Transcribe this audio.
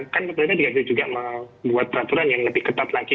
kan pemerintah juga membuat peraturan yang lebih ketat lagi